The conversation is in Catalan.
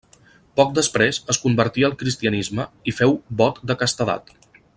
Poc després es convertí al cristianisme i feu vot de castedat.